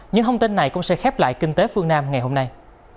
những thông tin này cũng sẽ khép lại kinh tế phương nam ngày hôm nay